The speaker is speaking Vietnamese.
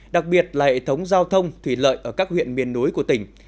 đặc biệt là hệ thống giao thông thủy lợi ở các huyện miền núi của tỉnh